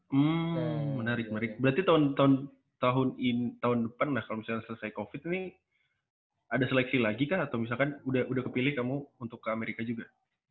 hmm menarik menarik berarti tahun depan nah kalau misalnya selesai covid nih ada seleksi lagi kah atau misalkan udah kepilih kamu untuk ke amerika juga